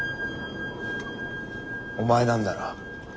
お前なんだろ？